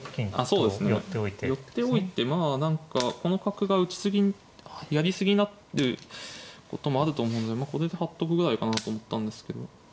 そうですね寄っておいてまあ何かこの角がやり過ぎになることもあると思うのでまあこれで立っとくぐらいかなと思ったんですけど。